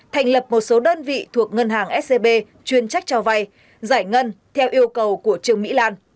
thành lập một số đơn vị thuộc ngân hàng scb chuyên trách cho vay giải ngân theo yêu cầu của trương mỹ lan